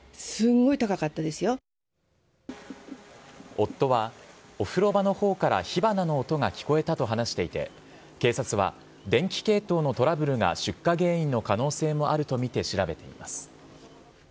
夫はお風呂場の方から火花の音が聞こえたと話していて警察は電気系統のトラブルが出火原因の可能性もあるとみて調べています。